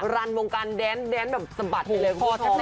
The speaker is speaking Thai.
รันวงการแดนแดนแบบสะบัดเลย